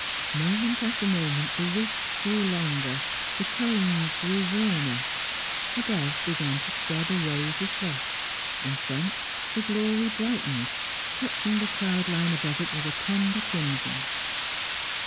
Moment after moment the rifts grew longer, the tones grew warmer; above began to spread a rosy flush; in front, the glory brightened, touching the cloud line above it with a tender crimson.